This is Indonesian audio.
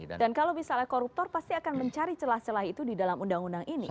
dan kalau misalnya koruptor pasti akan mencari celah celah itu di dalam undang undang ini kan